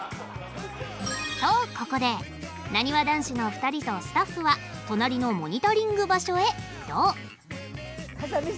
とここでなにわ男子の２人とスタッフは隣のモニタリング場所へ移動。